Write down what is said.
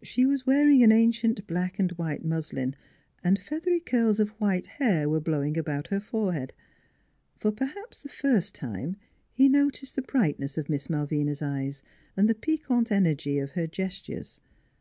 She was wearing an ancient black and white muslin, and feathery curls of white hair were blowing about her forehead. For 210 NEIGHBORS perhaps the first time he noticed the brightness of Miss Malvina's eyes and the piquant energy of her gestures.